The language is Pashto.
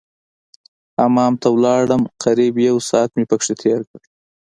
حمام ته ولاړم قريب يو ساعت مې پکښې تېر کړ.